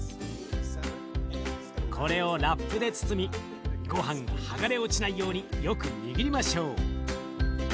これをラップで包みごはんが剥がれ落ちないようによく握りましょう。